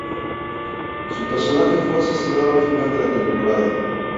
Su personaje fue asesinado al final de la temporada.